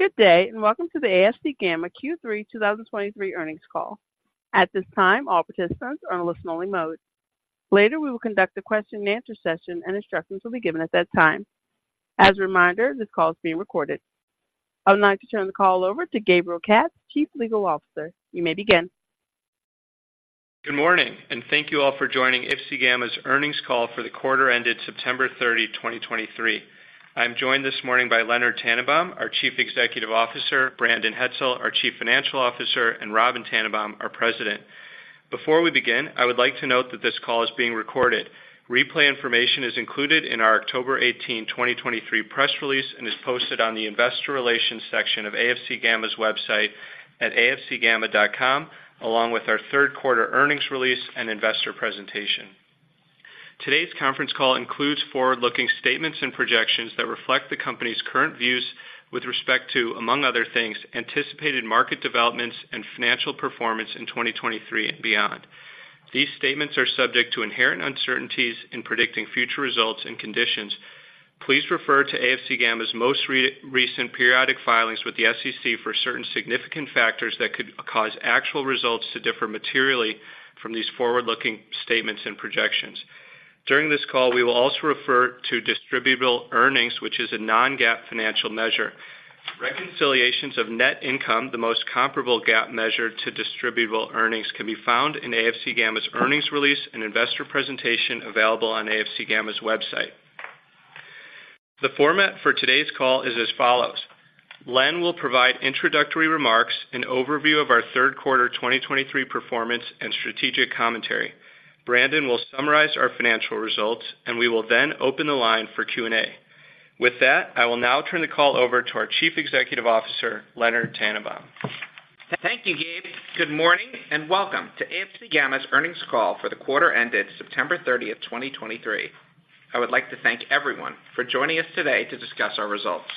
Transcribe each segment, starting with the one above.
Good day, and welcome to the AFC Gamma Q3 2023 earnings call. At this time, all participants are in listen-only mode. Later, we will conduct a question and answer session, and instructions will be given at that time. As a reminder, this call is being recorded. I would like to turn the call over to Gabriel Katz, Chief Legal Officer. You may begin. Good morning, and thank you all for joining AFC Gamma's earnings call for the quarter ended September 30, 2023. I'm joined this morning by Leonard Tannenbaum, our Chief Executive Officer, Brandon Hetzel, our Chief Financial Officer, and Robyn Tannenbaum, our President. Before we begin, I would like to note that this call is being recorded. Replay information is included in our October 18, 2023 press release and is posted on the investor relations section of AFC Gamma's website at afcgamma.com, along with our third quarter earnings release and investor presentation. Today's conference call includes forward-looking statements and projections that reflect the company's current views with respect to, among other things, anticipated market developments and financial performance in 2023 and beyond. These statements are subject to inherent uncertainties in predicting future results and conditions. Please refer to AFC Gamma's most recent periodic filings with the SEC for certain significant factors that could cause actual results to differ materially from these forward-looking statements and projections. During this call, we will also refer to distributable earnings, which is a non-GAAP financial measure. Reconciliations of net income, the most comparable GAAP measure to distributable earnings, can be found in AFC Gamma's earnings release and investor presentation available on AFC Gamma's website. The format for today's call is as follows: Len will provide introductory remarks, an overview of our third quarter 2023 performance and strategic commentary. Brandon will summarize our financial results, and we will then open the line for Q&A. With that, I will now turn the call over to our Chief Executive Officer, Leonard Tannenbaum. Thank you, Gabe. Good morning, and welcome to AFC Gamma's earnings call for the quarter ended September 30, 2023. I would like to thank everyone for joining us today to discuss our results.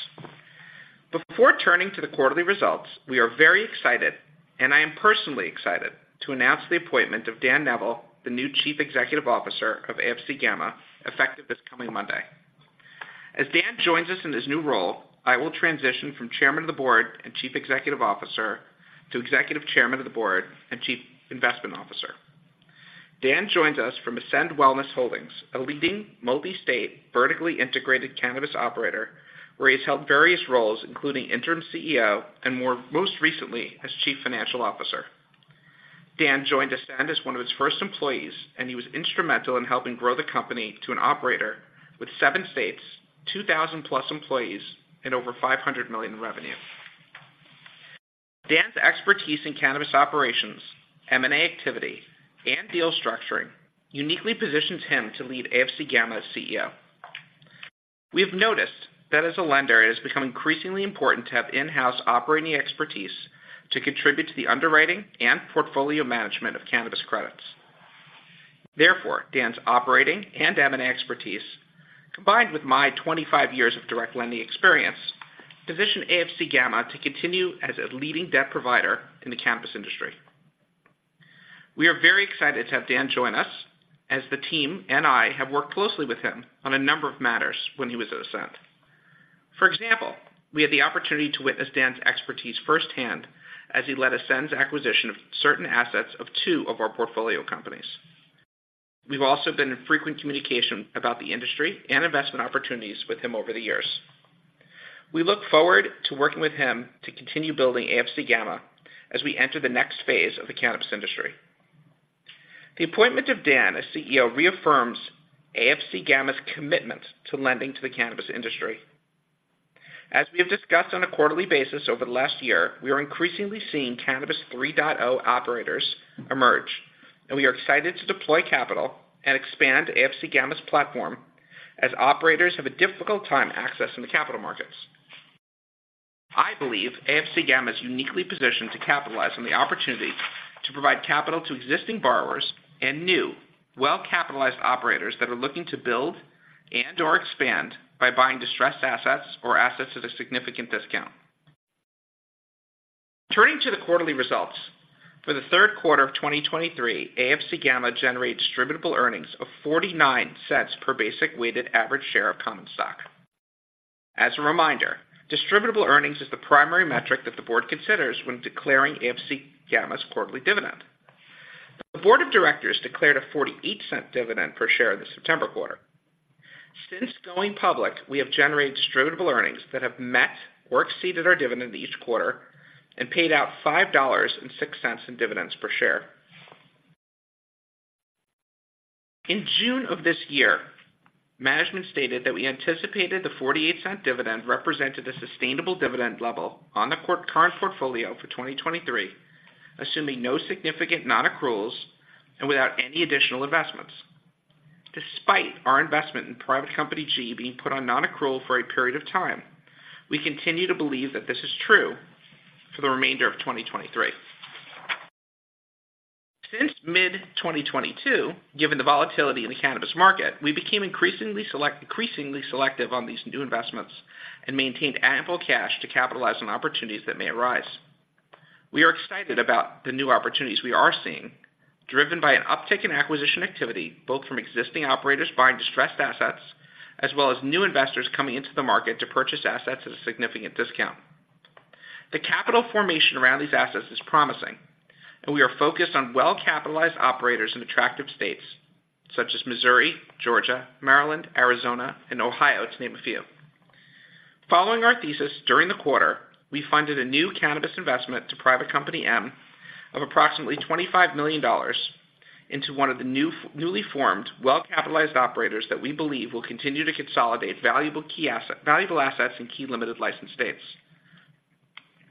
Before turning to the quarterly results, we are very excited, and I am personally excited to announce the appointment of Dan Neville, the new Chief Executive Officer of AFC Gamma, effective this coming Monday. As Dan joins us in this new role, I will transition from Chairman of the Board and Chief Executive Officer to Executive Chairman of the Board and Chief Investment Officer. Dan joins us from Ascend Wellness Holdings, a leading multi-state, vertically integrated cannabis operator, where he's held various roles, including Interim CEO and, most recently, as Chief Financial Officer. Dan joined Ascend as one of its first employees, and he was instrumental in helping grow the company to an operator with seven states, 2,000+ employees, and over $500 million in revenue. Dan's expertise in cannabis operations, M&A activity, and deal structuring uniquely positions him to lead AFC Gamma as CEO. We have noticed that as a lender, it has become increasingly important to have in-house operating expertise to contribute to the underwriting and portfolio management of cannabis credits. Therefore, Dan's operating and M&A expertise, combined with my 25 years of direct lending experience, position AFC Gamma to continue as a leading debt provider in the cannabis industry. We are very excited to have Dan join us, as the team and I have worked closely with him on a number of matters when he was at Ascend. For example, we had the opportunity to witness Dan's expertise firsthand as he led Ascend's acquisition of certain assets of two of our portfolio companies. We've also been in frequent communication about the industry and investment opportunities with him over the years. We look forward to working with him to continue building AFC Gamma as we enter the next phase of the cannabis industry. The appointment of Dan as CEO reaffirms AFC Gamma's commitment to lending to the cannabis industry. As we have discussed on a quarterly basis over the last year, we are increasingly seeing Cannabis 3.0 operators emerge, and we are excited to deploy capital and expand AFC Gamma's platform as operators have a difficult time accessing the capital markets. I believe AFC Gamma is uniquely positioned to capitalize on the opportunity to provide capital to existing borrowers and new, well-capitalized operators that are looking to build and/or expand by buying distressed assets or assets at a significant discount. Turning to the quarterly results. For the third quarter of 2023, AFC Gamma generated distributable earnings of $0.49 per basic weighted average share of common stock. As a reminder, distributable earnings is the primary metric that the board considers when declaring AFC Gamma's quarterly dividend. The board of directors declared a $0.48 dividend per share in the September quarter. Since going public, we have generated distributable earnings that have met or exceeded our dividend each quarter and paid out $5.06 in dividends per share. In June of this year, management stated that we anticipated the $0.48 dividend represented a sustainable dividend level on the current portfolio for 2023, assuming no significant non-accruals and without any additional investments. Despite our investment in Private Company G being put on non-accrual for a period of time, we continue to believe that this is true for the remainder of 2023. Since mid-2022, given the volatility in the cannabis market, we became increasingly selective on these new investments and maintained ample cash to capitalize on opportunities that may arise. We are excited about the new opportunities we are seeing, driven by an uptick in acquisition activity, both from existing operators buying distressed assets, as well as new investors coming into the market to purchase assets at a significant discount. The capital formation around these assets is promising, and we are focused on well-capitalized operators in attractive states such as Missouri, Georgia, Maryland, Arizona, and Ohio, to name a few. Following our thesis during the quarter, we funded a new cannabis investment to Private Company M of approximately $25 million into one of the new, newly formed, well-capitalized operators that we believe will continue to consolidate valuable assets in key limited license states.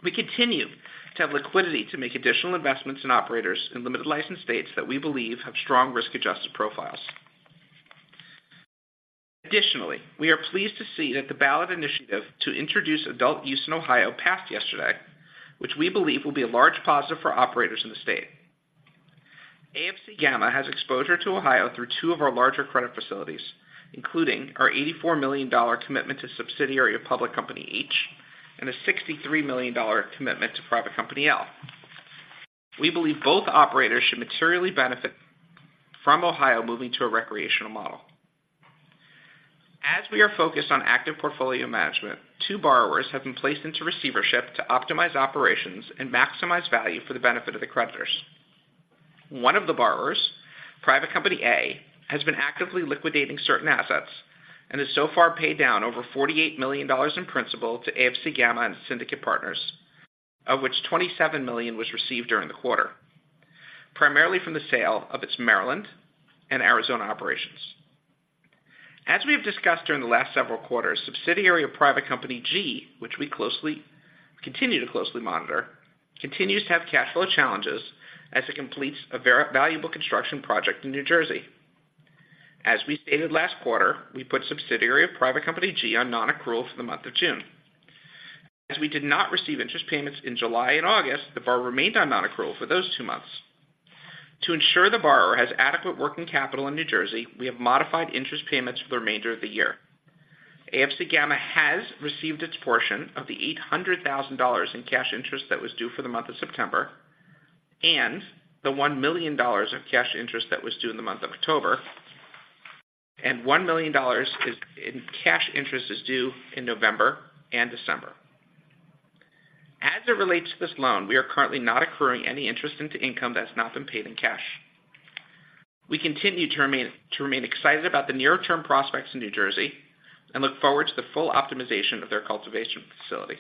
We continue to have liquidity to make additional investments in operators in limited license states that we believe have strong risk-adjusted profiles. Additionally, we are pleased to see that the ballot initiative to introduce adult use in Ohio passed yesterday, which we believe will be a large positive for operators in the state. AFC Gamma has exposure to Ohio through two of our larger credit facilities, including our $84 million commitment to subsidiary of Public Company H, and a $63 million commitment to Private Company L. We believe both operators should materially benefit from Ohio moving to a recreational model. As we are focused on active portfolio management, two borrowers have been placed into receivership to optimize operations and maximize value for the benefit of the creditors. One of the borrowers, Private Company A, has been actively liquidating certain assets and has so far paid down over $48 million in principal to AFC Gamma and syndicate partners, of which $27 million was received during the quarter, primarily from the sale of its Maryland and Arizona operations. As we have discussed during the last several quarters, subsidiary of Private Company G, which we closely monitor, continues to have cash flow challenges as it completes a valuable construction project in New Jersey. As we stated last quarter, we put subsidiary of Private Company G on nonaccrual for the month of June. As we did not receive interest payments in July and August, the borrower remained on nonaccrual for those two months. To ensure the borrower has adequate working capital in New Jersey, we have modified interest payments for the remainder of the year. AFC Gamma has received its portion of the $800,000 in cash interest that was due for the month of September, and the $1 million of cash interest that was due in the month of October, and $1 million in cash interest is due in November and December. As it relates to this loan, we are currently not accruing any interest into income that has not been paid in cash. We continue to remain excited about the near-term prospects in New Jersey and look forward to the full optimization of their cultivation facility.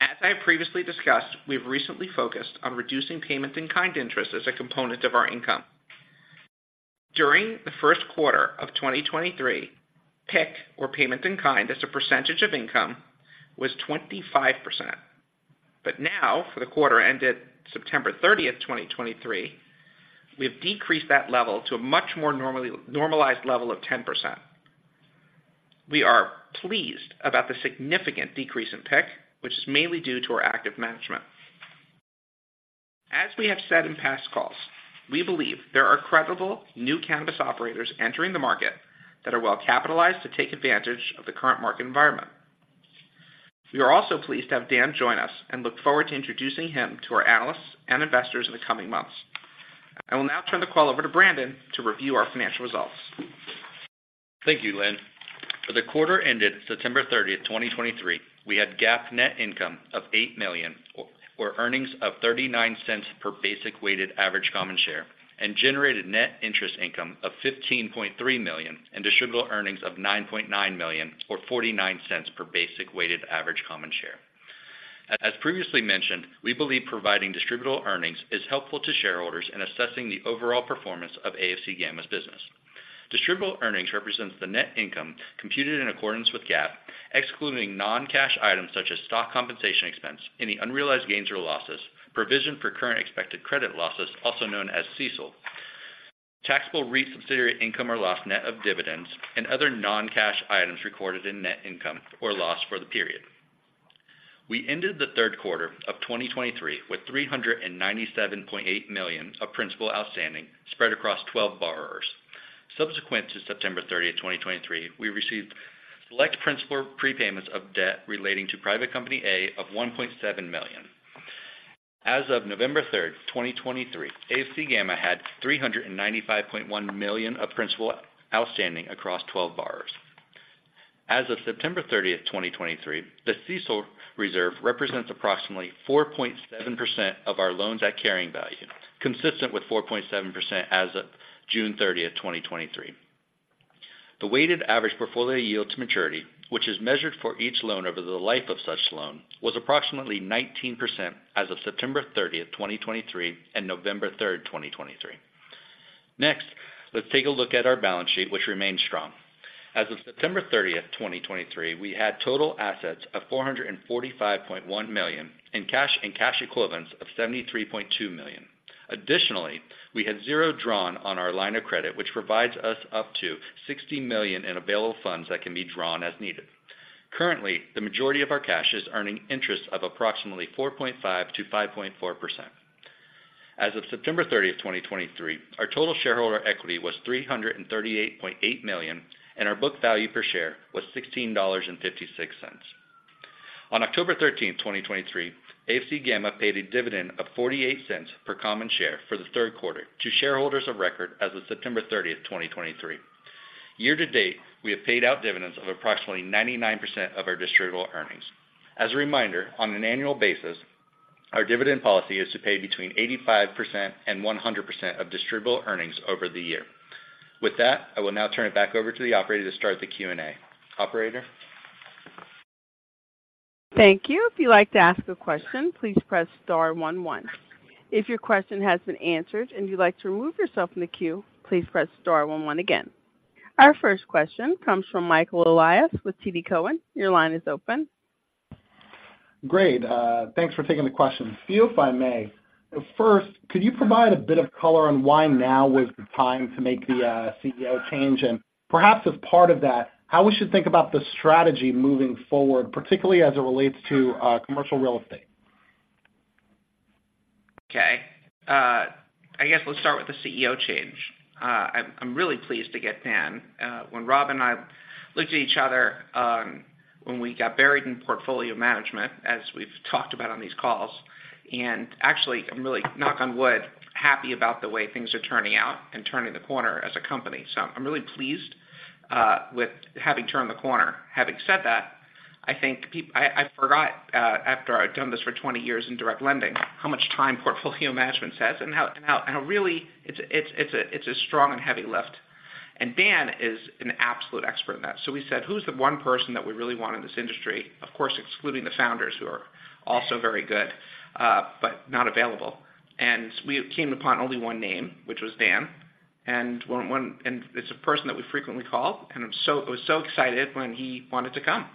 As I have previously discussed, we have recently focused on reducing payment in kind interest as a component of our income. During the first quarter of 2023, PIK, or payment in kind, as a percentage of income, was 25%. But now, for the quarter ended September 30, 2023, we have decreased that level to a much more normalized level of 10%. We are pleased about the significant decrease in PIK, which is mainly due to our active management. As we have said in past calls, we believe there are credible new cannabis operators entering the market that are well-capitalized to take advantage of the current market environment. We are also pleased to have Dan join us and look forward to introducing him to our analysts and investors in the coming months. I will now turn the call over to Brandon to review our financial results. Thank you, Len. For the quarter ended September 30, 2023, we had GAAP net income of $8 million, or earnings of $0.39 per basic weighted average common share, and generated net interest income of $15.3 million and distributable earnings of $9.9 million, or $0.49 per basic weighted average common share. As previously mentioned, we believe providing distributable earnings is helpful to shareholders in assessing the overall performance of AFC Gamma's business. Distributable earnings represents the net income computed in accordance with GAAP, excluding non-cash items such as stock compensation expense, any unrealized gains or losses, provision for current expected credit losses, also known as CECL, taxable REIT subsidiary income or loss net of dividends, and other non-cash items recorded in net income or loss for the period. We ended the third quarter of 2023 with $397.8 million of principal outstanding, spread across 12 borrowers. Subsequent to September 30, 2023, we received select principal prepayments of debt relating to Private Company A of $1.7 million. As of November 3, 2023, AFC Gamma had $395.1 million of principal outstanding across 12 borrowers. As of September 30, 2023, the CECL reserve represents approximately 4.7% of our loans at carrying value, consistent with 4.7% as of June 30, 2023. The weighted average portfolio yield to maturity, which is measured for each loan over the life of such loan, was approximately 19% as of September 30, 2023 and November 3, 2023. Next, let's take a look at our balance sheet, which remains strong. As of September 30, 2023, we had total assets of $445.1 million, and cash and cash equivalents of $73.2 million. Additionally, we had zero drawn on our line of credit, which provides us up to $60 million in available funds that can be drawn as needed. Currently, the majority of our cash is earning interest of approximately 4.5%-5.4%. ...As of September 30, 2023, our total shareholder equity was $338.8 million, and our book value per share was $16.56. On October 13, 2023, AFC Gamma paid a dividend of $0.48 per common share for the third quarter to shareholders of record as of September 30, 2023. Year to date, we have paid out dividends of approximately 99% of our distributable earnings. As a reminder, on an annual basis, our dividend policy is to pay between 85% and 100% of distributable earnings over the year. With that, I will now turn it back over to the operator to start the Q&A. Operator? Thank you. If you'd like to ask a question, please press star one, one. If your question has been answered and you'd like to remove yourself from the queue, please press star one one again. Our first question comes from Michael Elias with TD Cowen. Your line is open. Great. Thanks for taking the question. A few, if I may. First, could you provide a bit of color on why now was the time to make the CEO change? And perhaps as part of that, how we should think about the strategy moving forward, particularly as it relates to commercial real estate. Okay. I guess let's start with the CEO change. I'm really pleased to get Dan. When Rob and I looked at each other, when we got buried in portfolio management, as we've talked about on these calls, and actually, I'm really, knock on wood, happy about the way things are turning out and turning the corner as a company. So I'm really pleased with having turned the corner. Having said that, I think I forgot, after I'd done this for 20 years in direct lending, how much time portfolio management has and how really it's a strong and heavy lift. And Dan is an absolute expert in that. So we said, "Who's the one person that we really want in this industry?" Of course, excluding the founders, who are also very good, but not available. And we came upon only one name, which was Dan, and one—and it's a person that we frequently call, and I'm so—I was so excited when he wanted to come.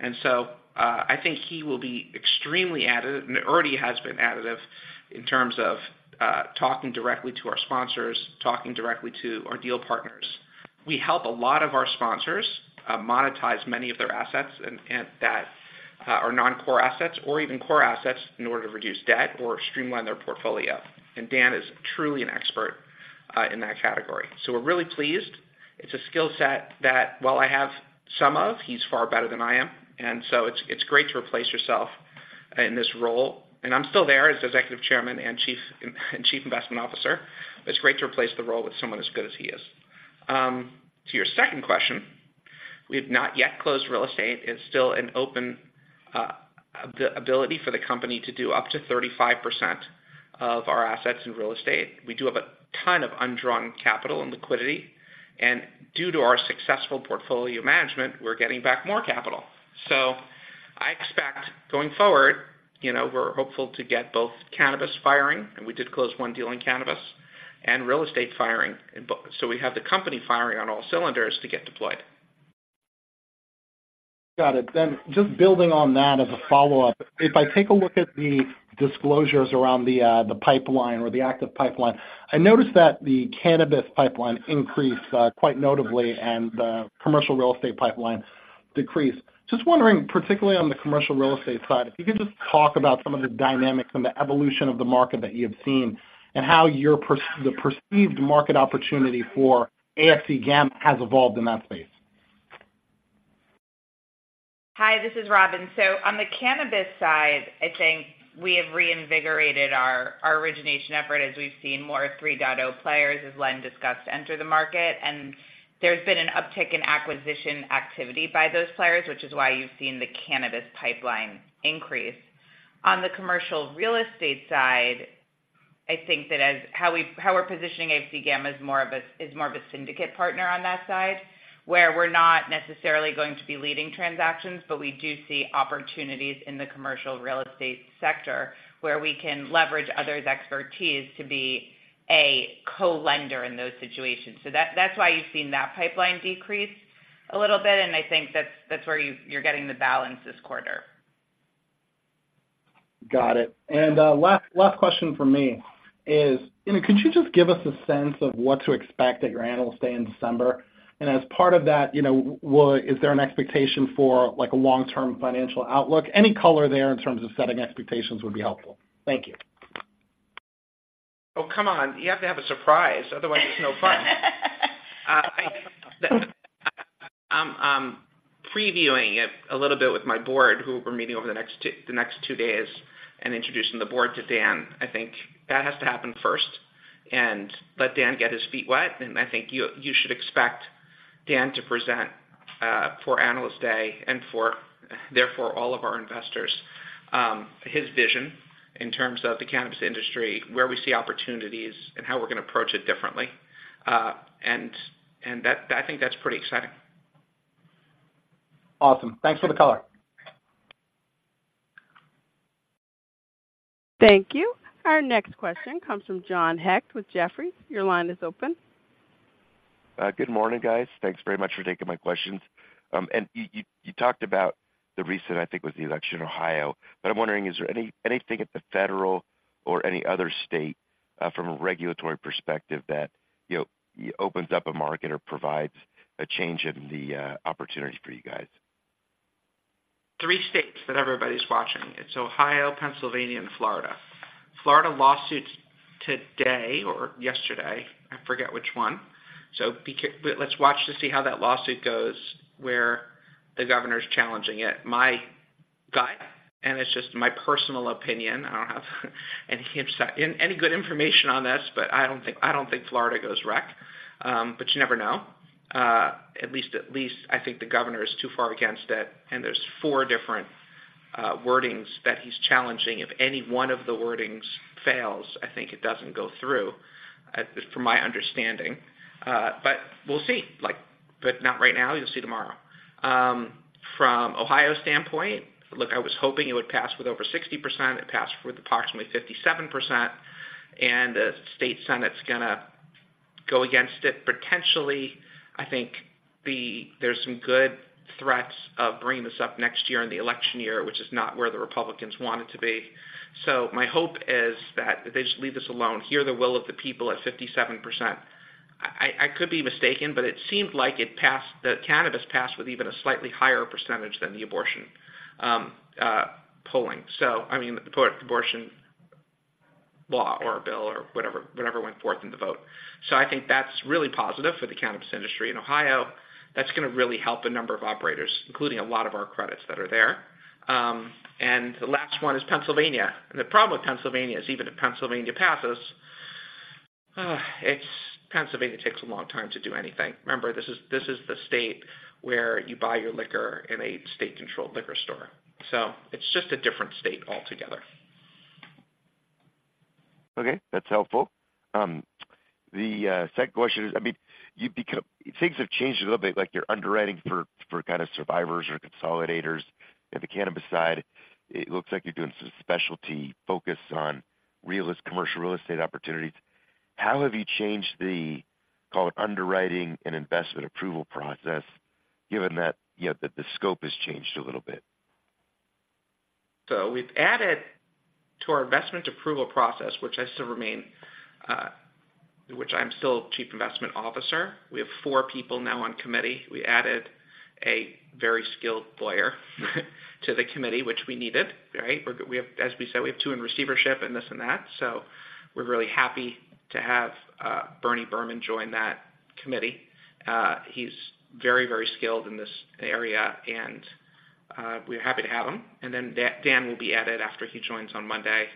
And so, I think he will be extremely additive, and already has been additive in terms of, talking directly to our sponsors, talking directly to our deal partners. We help a lot of our sponsors, monetize many of their assets and, and that, are non-core assets or even core assets in order to reduce debt or streamline their portfolio. And Dan is truly an expert, in that category. So we're really pleased. It's a skill set that, while I have some of, he's far better than I am, and so it's, it's great to replace yourself in this role. And I'm still there as Executive Chairman and Chief Investment Officer. It's great to replace the role with someone as good as he is. To your second question, we have not yet closed real estate. It's still an open ability for the company to do up to 35% of our assets in real estate. We do have a ton of undrawn capital and liquidity, and due to our successful portfolio management, we're getting back more capital. So I expect, going forward, you know, we're hopeful to get both cannabis firing, and we did close one deal in cannabis, and real estate firing in both. So we have the company firing on all cylinders to get deployed. Got it. Then just building on that as a follow-up. If I take a look at the disclosures around the, the pipeline or the active pipeline, I noticed that the cannabis pipeline increased quite notably and the commercial real estate pipeline decreased. Just wondering, particularly on the commercial real estate side, if you could just talk about some of the dynamics and the evolution of the market that you have seen, and how the perceived market opportunity for AFC Gamma has evolved in that space. Hi, this is Robyn. So on the cannabis side, I think we have reinvigorated our origination effort as we've seen more 3.0 players, as Len discussed, enter the market. And there's been an uptick in acquisition activity by those players, which is why you've seen the cannabis pipeline increase. On the commercial real estate side, I think that as how we're positioning AFC Gamma is more of a syndicate partner on that side, where we're not necessarily going to be leading transactions, but we do see opportunities in the commercial real estate sector, where we can leverage others' expertise to be a co-lender in those situations. So that's why you've seen that pipeline decrease a little bit, and I think that's where you're getting the balance this quarter. Got it. And last question from me is, you know, could you just give us a sense of what to expect at your Analyst Day in December? And as part of that, you know, is there an expectation for, like, a long-term financial outlook? Any color there in terms of setting expectations would be helpful. Thank you. Oh, come on, you have to have a surprise, otherwise it's no fun. I'm previewing it a little bit with my board, who we're meeting over the next two, the next two days and introducing the board to Dan. I think that has to happen first and let Dan get his feet wet, and I think you should expect Dan to present for Analyst Day and therefore all of our investors his vision in terms of the cannabis industry, where we see opportunities and how we're going to approach it differently. And that, I think that's pretty exciting. Awesome. Thanks for the color. Thank you. Our next question comes from John Hecht with Jefferies. Your line is open. Good morning, guys. Thanks very much for taking my questions. And you talked about the recent. I think it was the election in Ohio, but I'm wondering, is there anything at the federal or any other state, from a regulatory perspective that, you know, opens up a market or provides a change in the, opportunity for you guys?... three states that everybody's watching. It's Ohio, Pennsylvania, and Florida. Florida lawsuits today or yesterday, I forget which one. So let's watch to see how that lawsuit goes, where the governor is challenging it. My guy, and it's just my personal opinion, I don't have any good information on this, but I don't think, I don't think Florida goes rec, but you never know. At least, at least I think the governor is too far against it, and there's four different wordings that he's challenging. If any one of the wordings fails, I think it doesn't go through, from my understanding. But we'll see, like, but not right now. You'll see tomorrow. From Ohio's standpoint, look, I was hoping it would pass with over 60%. It passed with approximately 57%, and the state senate is going to go against it. Potentially, I think the-- there's some good threats of bringing this up next year in the election year, which is not where the Republicans want it to be. So my hope is that they just leave this alone, hear the will of the people at 57%. I, I could be mistaken, but it seemed like it passed -- the cannabis passed with even a slightly higher percentage than the abortion polling. So I mean, the abortion law or bill or whatever, whatever went forth in the vote. So I think that's really positive for the cannabis industry in Ohio. That's going to really help a number of operators, including a lot of our credits that are there. And the last one is Pennsylvania, and the problem with Pennsylvania is, even if Pennsylvania passes, it's, Pennsylvania takes a long time to do anything. Remember, this is the state where you buy your liquor in a state-controlled liquor store, so it's just a different state altogether. Okay, that's helpful. The second question is, I mean, you become—things have changed a little bit, like you're underwriting for, for kind of survivors or consolidators in the cannabis side. It looks like you're doing some specialty focus on real estate, commercial real estate opportunities. How have you changed the, call it, underwriting and investment approval process, given that, you know, that the scope has changed a little bit? So we've added to our investment approval process, which I'm still Chief Investment Officer. We have four people now on committee. We added a very skilled lawyer to the committee, which we needed, right? We're good. As we said, we have two in receivership and this and that, so we're really happy to have Bernie Berman join that committee. He's very, very skilled in this area, and we're happy to have him. And then Dan will be added after he joins on Monday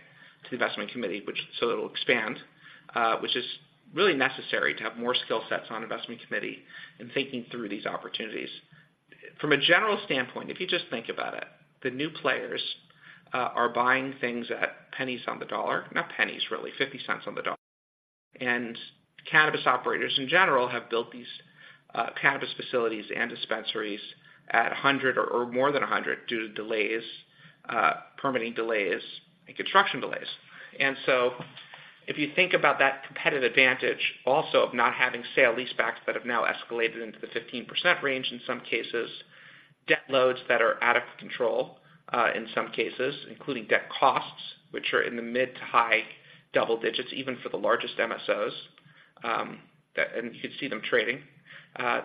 to the investment committee, so it'll expand, which is really necessary to have more skill sets on investment committee and thinking through these opportunities. From a general standpoint, if you just think about it, the new players are buying things at pennies on the dollar. Not pennies, really, 50 cents on the dollar. Cannabis operators in general have built these cannabis facilities and dispensaries at 100 or more than 100 due to delays, permitting delays and construction delays. So if you think about that competitive advantage also of not having sale-leasebacks that have now escalated into the 15% range in some cases, debt loads that are out of control in some cases, including debt costs, which are in the mid- to high double digits, even for the largest MSOs, that and you can see them trading.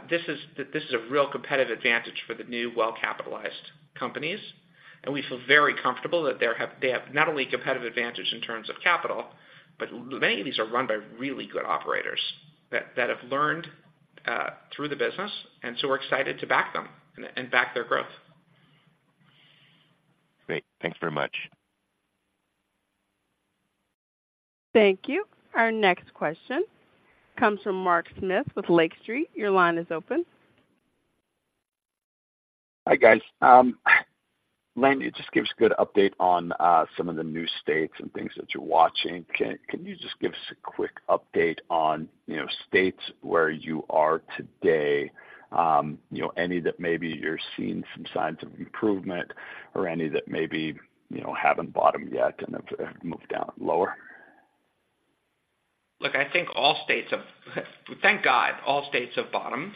This is a real competitive advantage for the new well-capitalized companies, and we feel very comfortable that they have not only a competitive advantage in terms of capital, but many of these are run by really good operators that have learned through the business, and so we're excited to back them and back their growth. Great. Thanks very much. Thank you. Our next question comes from Mark Smith with Lake Street. Your line is open. Hi, guys. Len, you just gave us a good update on some of the new states and things that you're watching. Can you just give us a quick update on, you know, states where you are today? You know, any that maybe you're seeing some signs of improvement or any that maybe, you know, haven't bottomed yet and have moved down lower? Look, I think all states have thank God, all states have bottomed,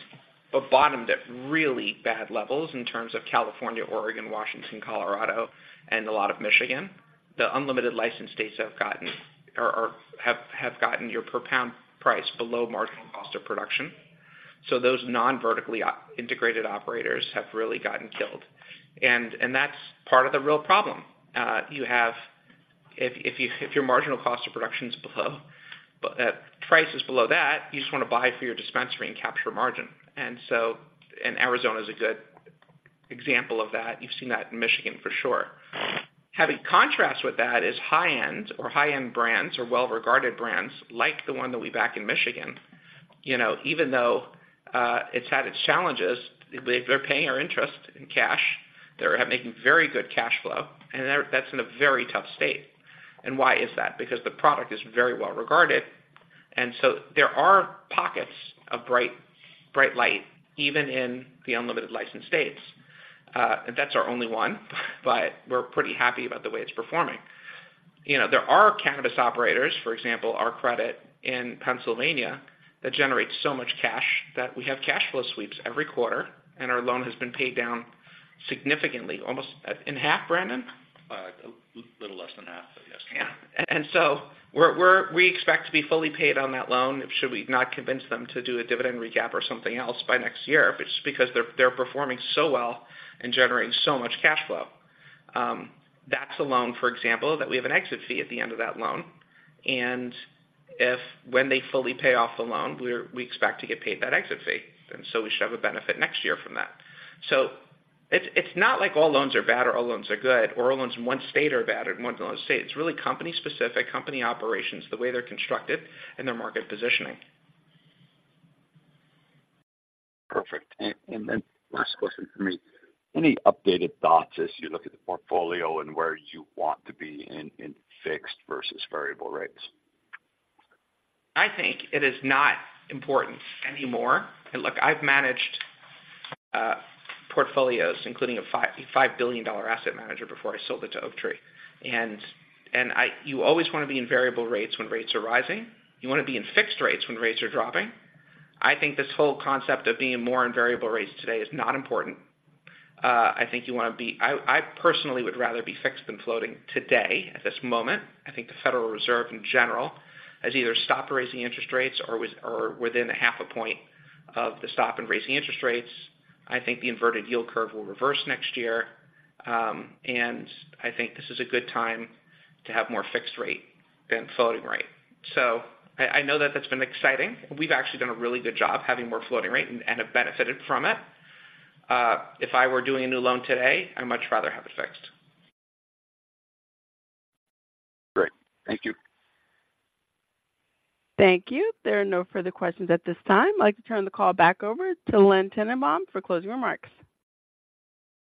but bottomed at really bad levels in terms of California, Oregon, Washington, Colorado, and a lot of Michigan. The Unlimited License States have gotten or have gotten your per pound price below marginal cost of production. So those non-vertically integrated operators have really gotten killed, and that's part of the real problem. You have if your marginal cost of production is below price is below that, you just want to buy for your dispensary and capture margin. And so Arizona is a good example of that. You've seen that in Michigan for sure. Having contrast with that is high-end brands or well-regarded brands like the one that we back in Michigan. You know, even though it's had its challenges, they're paying our interest in cash. They're making very good cash flow, and they're, that's in a very tough state. And why is that? Because the product is very well regarded, and so there are pockets of bright, bright light, even in the unlimited license states. And that's our only one, but we're pretty happy about the way it's performing. You know, there are cannabis operators, for example, our credit in Pennsylvania, that generates so much cash that we have cash flow sweeps every quarter, and our loan has been paid down significantly, almost in half, Brandon? A little less than half.... And so we expect to be fully paid on that loan, should we not convince them to do a dividend recap or something else by next year, but it's because they're performing so well and generating so much cash flow. That's a loan, for example, that we have an exit fee at the end of that loan. And if when they fully pay off the loan, we expect to get paid that exit fee, and so we should have a benefit next year from that. So it's not like all loans are bad or all loans are good, or all loans in one state are bad, or in one state. It's really company-specific, company operations, the way they're constructed and their market positioning. Perfect. And then last question for me. Any updated thoughts as you look at the portfolio and where you want to be in fixed versus variable rates? I think it is not important anymore. And look, I've managed portfolios, including a $5 billion asset manager before I sold it to Oaktree. And you always want to be in variable rates when rates are rising. You want to be in fixed rates when rates are dropping. I think this whole concept of being more in variable rates today is not important. I think you want to be—I personally would rather be fixed than floating today, at this moment. I think the Federal Reserve, in general, has either stopped raising interest rates or was or within a half a point of the stop in raising interest rates. I think the inverted yield curve will reverse next year. And I think this is a good time to have more fixed rate than floating rate. So I know that that's been exciting. We've actually done a really good job having more floating rate and have benefited from it. If I were doing a new loan today, I'd much rather have it fixed. Great. Thank you. Thank you. There are no further questions at this time. I'd like to turn the call back over to Len Tannenbaum for closing remarks.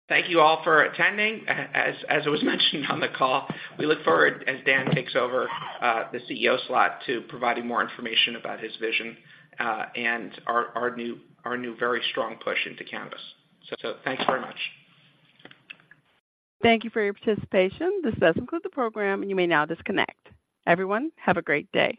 Thank you all for attending. As was mentioned on the call, we look forward as Dan takes over the CEO slot to providing more information about his vision and our new, very strong push into cannabis. So thanks very much. Thank you for your participation. This does conclude the program, and you may now disconnect. Everyone, have a great day.